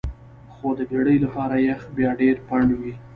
خو د بیړۍ لپاره یخ بیا ډیر پنډ وي